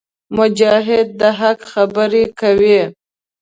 مجاهد د حق خبرې کوي.